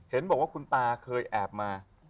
เห็นบอกว่าคุณตาเคยแอบมา